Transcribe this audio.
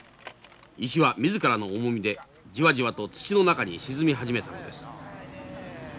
石は自らの重みでジワジワと土の中に沈み始めたのです。